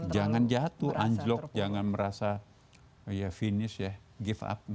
jangan jatuh anjlok jangan merasa ya finish ya give up